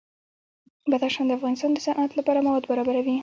بدخشان د افغانستان د صنعت لپاره مواد برابروي.